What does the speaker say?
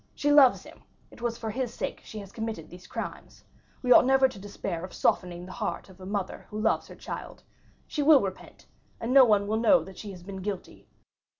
She loves him; it was for his sake she has committed these crimes. We ought never to despair of softening the heart of a mother who loves her child. She will repent, and no one will know that she has been guilty.